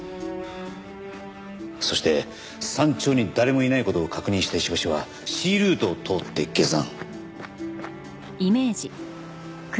そして山頂に誰もいない事を確認した石橋はＣルートを通って下山。